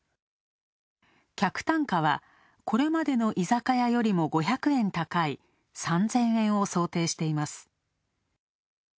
客単価は、これまでの居酒屋よりも５００円高い、３０００円を想定しています。